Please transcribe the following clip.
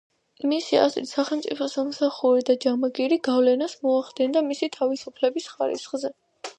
მისი აზრით, სახელმწიფო სამსახური და ჯამაგირი გავლენას მოახდენდა მისი თავისუფლების ხარისხზე.